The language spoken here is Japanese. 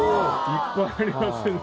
いっぱいありますね。